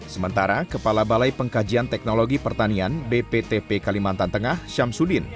sementara kepala balai pengkajian teknologi pertanian bptp kalimantan tengah syamsuddin